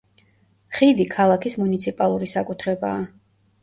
ხიდი ქალაქის მუნიციპალური საკუთრებაა.